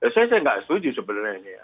saya nggak setuju sebenarnya